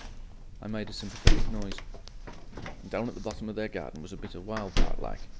I made a sympathetic noise. "And down at the bottom of their garden was a bit of wild part like.